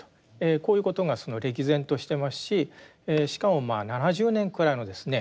こういうことが歴然としてますししかも７０年くらいのですね